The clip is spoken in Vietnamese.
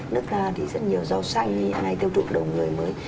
nước ta thì rất nhiều rau xanh hiện nay tiêu thụ đầu người mới